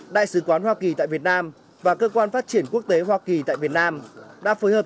đại sứ quán hoa kỳ tại việt nam và cơ quan phát triển quốc tế hoa kỳ tại việt nam đã phối hợp